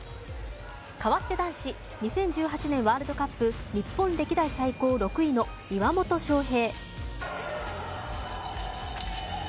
かわって男子２０１８年ワールドカップ日本歴代最高６位の岩元勝平。